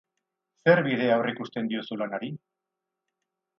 Zer bide aurreikusten diozu lanari?